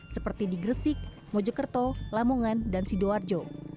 seperti di gresik mojekerto lamongan dan sidoarjo